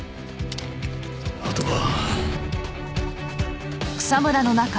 あとは。